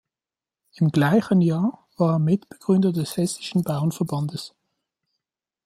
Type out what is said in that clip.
Im gleichen Jahr war er Mitbegründer des Hessischen Bauernverbandes.